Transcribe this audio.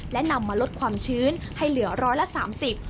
และนำมาลดความชื้นให้เหลือร้อยละสามสิบ